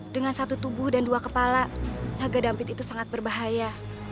dengan satu tubuh dan dua kepala naga dampit itu sangat berbahaya